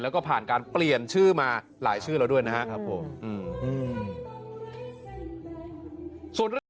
แล้วก็ผ่านการเปลี่ยนชื่อมาหลายชื่อแล้วด้วยนะครับผม